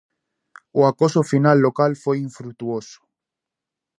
O acoso final local foi infrutuoso.